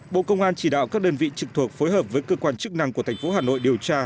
bộ công an chỉ đạo các đơn vị trực thuộc phối hợp với cơ quan chức năng của thành phố hà nội điều tra